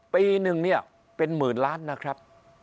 ปีหนึ่งเนี่ยเป็นหมื่นล้านนะครับ